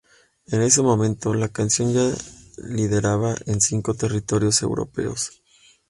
En ese momento, la canción ya lideraba en cinco territorios europeos.